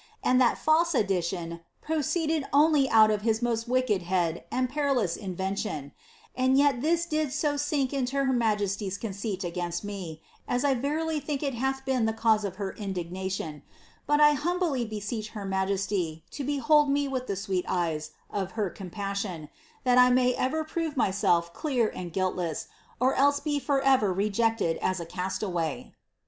and that falil dilion proceeded only out of his most wicked head and perilous u lion \ and yet ibis did so sink into her majesty ^s conceit against in ] verily think it hath been the cause of her indignation ; but I hul beeeech her majesiy to Iwhold me with the siveet eyes of her con aioN, thai i may either piuic uiyself clear and guiltless, ot else b ever rejected as a castaway."